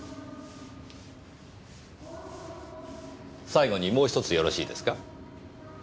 最後にもう１つよろしいですか？